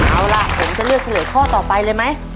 เอาล่ะผมจะเลือกเฉลยข้อต่อไปเลยไหม